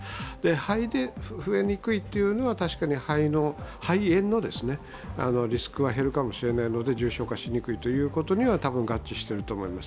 肺で増えにくいというよりは、確かに肺炎のリスクは減るかもしれないので重症化しにくいということには多分合致していると思います。